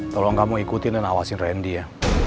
tolong kamu ikutin dan awasin randy ya